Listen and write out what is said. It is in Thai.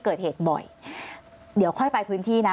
ก็คลิปออกมาแบบนี้เลยว่ามีอาวุธปืนแน่นอน